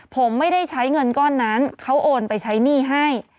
ผมไม่ได้ใช้เงินก้อนนั้นเขาโอนไปใช้หนี้ให้